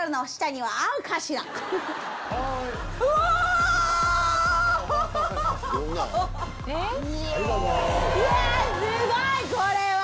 うわすごいこれは！